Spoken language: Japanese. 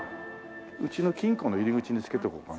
うちの金庫の入り口につけておこうかな。